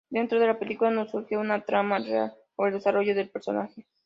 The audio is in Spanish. Dentro de la película, no surge una trama real o el desarrollo del personaje.